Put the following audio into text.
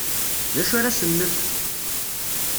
D acu ara asen-nefk?